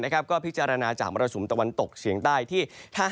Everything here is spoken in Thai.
ก็พิจารณาล่ะความมรสุมตะวันตกเฉียงใต้ที่ถ้าหากอ่อน